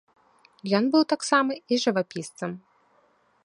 Ён быў таксама і жывапісцам.